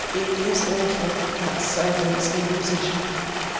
it is awful, that servants' inquisition!